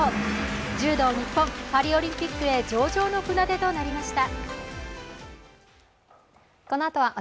柔道ニッポン、パリオリンピックへ上々の船出となりました。